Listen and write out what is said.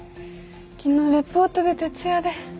昨日レポートで徹夜で。